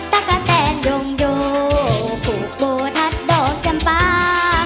ตะกะแตนยงโยผูกโบทัศนดอกจำปา